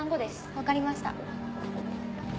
分かりました。